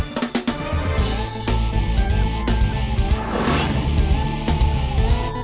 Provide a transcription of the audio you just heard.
พูด